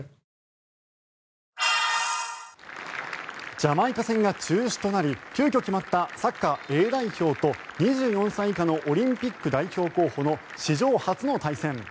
ジャマイカ戦が中止となり急きょ決まったサッカーＡ代表と２４歳以下のオリンピック代表候補の史上初の対戦。